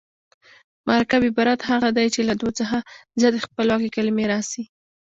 مرکب عبارت هغه دﺉ، چي له دوو څخه زیاتي خپلواکي کلیمې راسي.